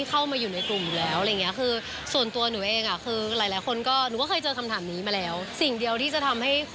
เอาไปฟังปุ๊กลุ๊กกันเลยจ้ะ